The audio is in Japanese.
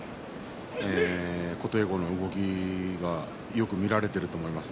琴恵光の動きがよく見られていると思います。